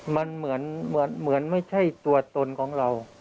มันเหมือนไม่ใช่ตัวตนของเรา